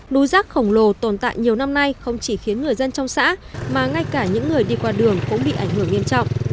núi rác khổng lồ tồn tại nhiều năm nay không chỉ khiến người dân trong xã mà ngay cả những người đi qua đường cũng bị ảnh hưởng nghiêm trọng